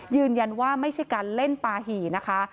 ยืนยันว่าไม่ใช่การเล่นปาหี่นะคะ